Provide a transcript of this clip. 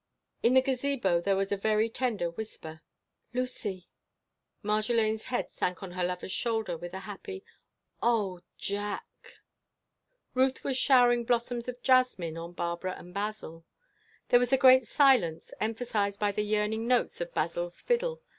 In the Gazebo there was a very tender whisper:—"Lucy!" Marjolaine's head sank on her lover's shoulder with a happy, "Oh, Jack!" Ruth was showering blossoms of jasmine on Barbara and Basil. There was a great silence, emphasized by the yearning notes of Basil's fiddle.